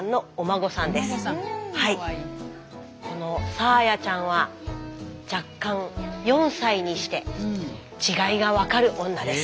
さあやちゃんは弱冠４歳にして違いが分かる女です。